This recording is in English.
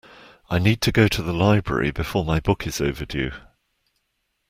I need to go to the library before my book is overdue.